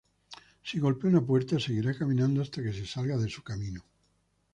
Si golpea una puerta, seguirá caminando hasta que se salga de su camino.